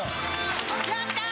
やったー！